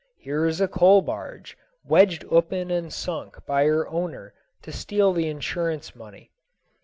Here is a coal barge, wedged open and sunk by her owner to steal the insurance money.